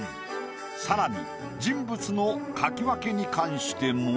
さらに人物の描き分けに関しても。